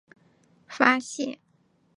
发现只剩下六分钟